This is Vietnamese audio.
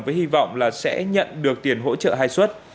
với hy vọng là sẽ nhận được tiền hỗ trợ hai suất